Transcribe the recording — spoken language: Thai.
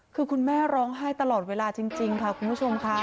คือคุณแม่ร้องไห้ตลอดเวลาจริงค่ะคุณผู้ชมค่ะ